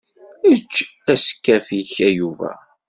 Ečč askaf-ik a Yuba.